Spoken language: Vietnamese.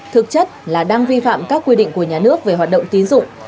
thực chất là đang vi phạm các quy định của nhà nước về hoạt động tín dụng